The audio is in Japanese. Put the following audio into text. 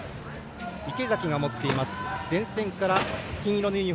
池崎が持っています。